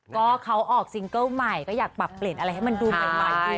ก็เขาออกซิงเกิ้ลใหม่ก็อยากปรับเปลี่ยนอะไรให้มันดูใหม่ดี